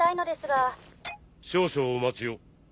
少々お待ちを。